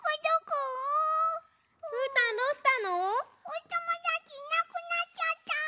おともだちいなくなっちゃった！